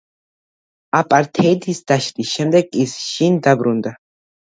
აპართეიდის დაშლის შემდეგ ის შინ დაბრუნდა.